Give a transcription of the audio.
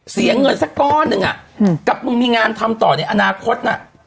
เสียเงินสักก้อนหนึ่งอ่ะกับมึงมีงานทำต่อในอนาคตน่ะ